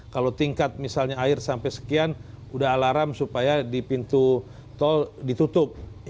kalau tingkat misalnya air sampai sekian udah alarm supaya di pintu tol ditutup